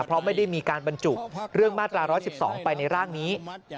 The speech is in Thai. เพราะไม่ได้มีการบรรจุเรื่องมาตรา๑๑๒ไปในร่างนี้